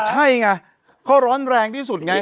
ใช่ไงเพราะร้อนแรงที่สุดไง